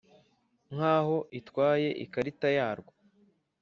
nk’aho itwaye ikarita yarwo